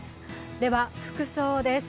では服装です。